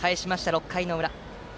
６回の裏。